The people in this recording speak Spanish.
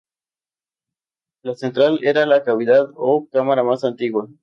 La central era la cavidad o cámara más antigua.